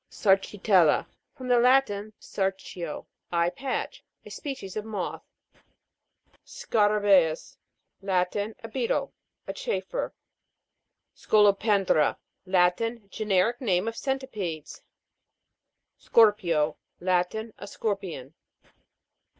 SARCITEL'LA. From the Latin, sarcio, I patch. A genus of moths. SCARABE'US. Latin. A beetle, a chaffer. SCOLOPEN'DRA. Latin. Generic name of centipedes. SCOR'PIO. Latin. A scorpion.